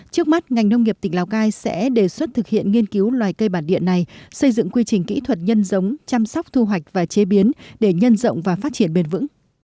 trước mắt ngành nông nghiệp tỉnh lào cai sẽ đề xuất thực hiện nghiên cứu loài cây bản địa này xây dựng quy trình kỹ thuật nhân giống chăm sóc thu hoạch và chế biến để nhân rộng và phát triển bền vững